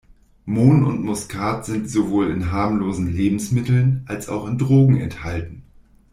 Mohn und Muskat sind sowohl in harmlosen Lebensmitteln, als auch in Drogen enthalten.